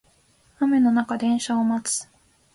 雨の中電車を待つ